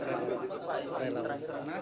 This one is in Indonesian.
assalamu'alaikum pak pak rai lawan